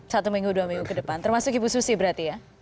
satu minggu dua minggu ke depan termasuk ibu susi berarti ya